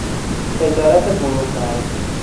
تجارت برونمرزی